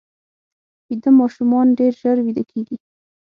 ویده ماشومان ډېر ژر ویده کېږي